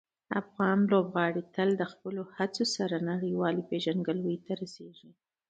افغان لوبغاړي تل د خپلو هڅو سره نړیوالې پېژندګلوۍ ته رسېږي.